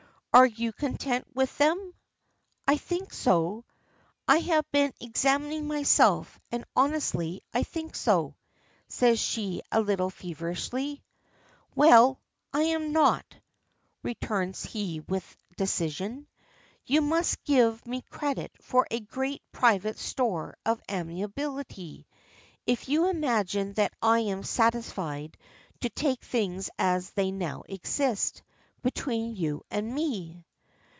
"Are you content with them?" "I think so. I have been examining myself, and honestly I think so," says she a little feverishly. "Well, I'm not," returns he with decision. "You must give me credit for a great private store of amiability, if you imagine that I am satisfied to take things as they now exist between you and me!"